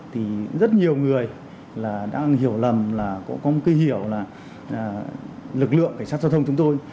thì rất nhiều người là đang hiểu lầm là cũng có một cái hiểu là lực lượng cảnh sát giao thông chúng tôi